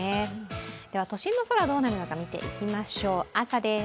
都心の空はどうなるのか見ていきましょう、朝です。